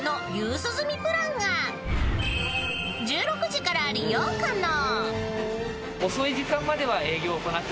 ［１６時から利用可能］